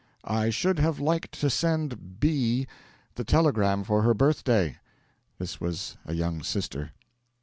'I should have liked to send B the telegram for her birthday.' This was a young sister.